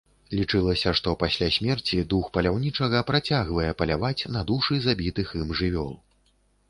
Лічылася, што пасля смерці дух паляўнічага працягвае паляваць на душы забітых ім жывёл.